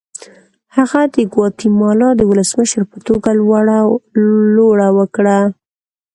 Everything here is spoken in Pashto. هغه د ګواتیمالا د ولسمشر په توګه لوړه وکړه.